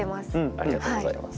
ありがとうございます。